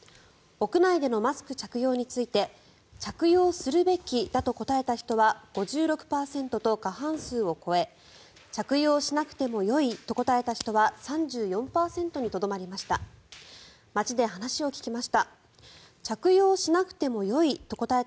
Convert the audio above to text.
屋内でのマスク着用について着用するべきだと答えた人は５６％と過半数を超え着用しなくてもよいと答えた人は３４％にとどまりました。